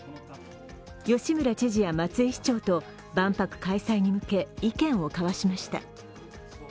吉村知事や松井市長と万博開催に向け、意見を交わしました。